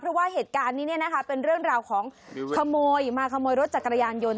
เพราะว่าเหตุการณ์นี้เป็นเรื่องราวของขโมยมาขโมยรถจักรยานยนต์